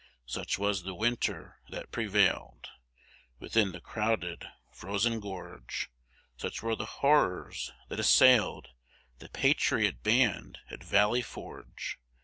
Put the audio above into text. Such was the winter that prevailed Within the crowded, frozen gorge; Such were the horrors that assailed The patriot band at Valley Forge.